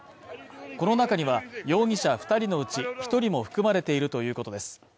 この中には、容疑者２人のうち１人も含まれているということです。